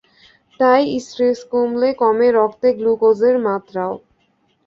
তাই স্ট্রেস কমলে কমে রক্তে গ্লুকোজের মাত্রাও।